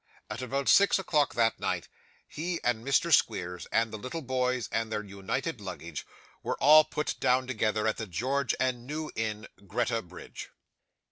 At about six o'clock that night, he and Mr. Squeers, and the little boys, and their united luggage, were all put down together at the George and New Inn, Greta Bridge.